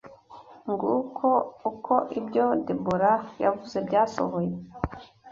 Nguko uko ibyo Debora yavuze byasohoye